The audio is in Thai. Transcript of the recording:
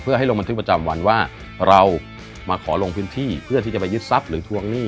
เพื่อให้ลงบันทึกประจำวันว่าเรามาขอลงพื้นที่เพื่อที่จะไปยึดทรัพย์หรือทวงหนี้